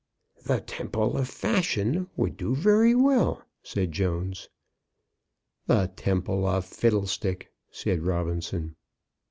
"'The Temple of Fashion' would do very well," said Jones. "The Temple of Fiddlestick!" said Robinson.